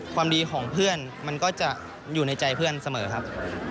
ความดีของเพื่อนมันก็จะอยู่ในใจเพื่อนเสมอครับ